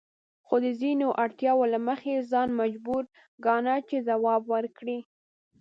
خو د ځینو اړتیاوو له مخې یې ځان مجبور ګاڼه چې ځواب ورکړي.